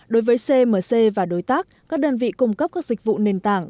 đối với cmc và đối tác các đơn vị cung cấp các dịch vụ nền tảng